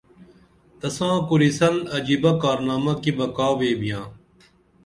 تساں کُرِسن عجِبہ کارنامہ کی بہ کا ویبِیاں